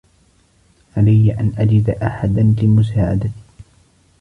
علي أن أجد أحدا لمساعدتي.